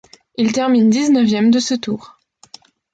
Il termine dix-neuvième de ce Tour.